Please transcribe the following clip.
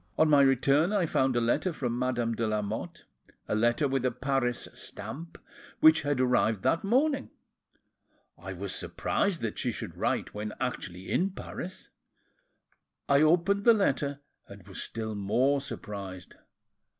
On my return I found a letter from Madame de Lamotte, a letter with a Paris stamp, which had arrived that morning. I was surprised that she should write, when actually in Paris; I opened the letter, and was still more surprised.